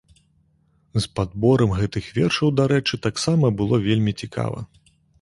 З падборам гэтых вершаў, дарэчы, таксама было вельмі цікава.